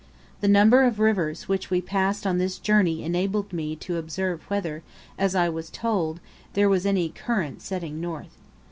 The number of rivers which we passed on this journey enabled me to observe whether, as I was told, there was any current setting north.